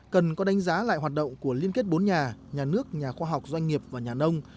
cần có đánh giá lại hoạt động của liên kết bốn nhà nhà nước nhà khoa học doanh nghiệp và nhà nông